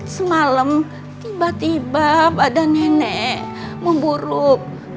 semalam tiba tiba ada nenek memburuk